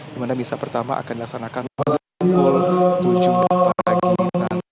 di mana misa pertama akan dilaksanakan pada pukul tujuh pagi